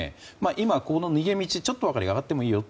今、逃げ道ちょっと上がってもいいよ